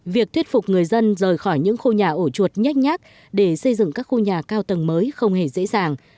việc thuyết phục người dân rời khỏi những khu nhà ổ chuột nhách nhác để xây dựng các khu nhà cao tầng mới không hề dễ dàng